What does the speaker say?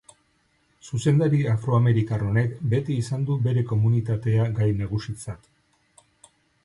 Zuzendari afroamerikar honek beti izan du bere komunitatea gai nagusitzat.